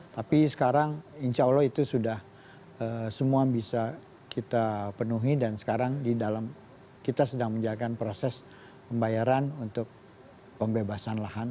tapi sekarang insya allah itu sudah semua bisa kita penuhi dan sekarang di dalam kita sedang menjalankan proses pembayaran untuk pembebasan lahan